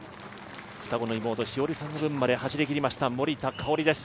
双子の妹・詩織さんの分まで走りきりました、森田香織です。